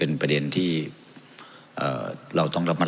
ท่านประธานครับนี่คือสิ่งที่สุดท้ายของท่านครับ